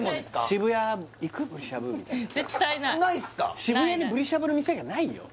渋谷にブリしゃぶの店がないよ